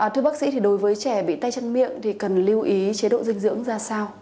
thưa bác sĩ thì đối với trẻ bị tay chân miệng thì cần lưu ý chế độ dinh dưỡng ra sao